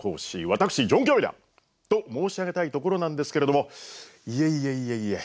私ジョン・カビラと申し上げたいところなんですけれどもいえいえいえいえ